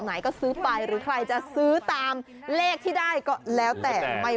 ไหนก็ซื้อไปหรือใครจะซื้อตามเลขที่ได้ก็แล้วแต่ไม่